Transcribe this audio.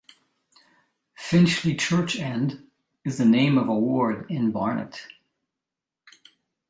Finchley Church End is the name of a ward in Barnet.